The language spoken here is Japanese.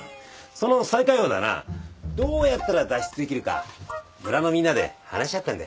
その最下位をだなどうやったら脱出できるか村のみんなで話し合ったんだ。